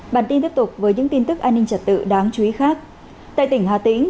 bản tin tiếp tục với những tin tức an ninh trật tự đáng chú ý khác tại tỉnh hà tĩnh